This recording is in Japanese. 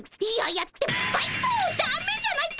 だめじゃないか！